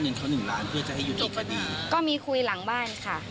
เพื่อจะให้อยู่ดีกว่าดีกว่าอืมจบแล้วค่ะอืมจบแล้วค่ะก็มีคุยหลังบ้านค่ะ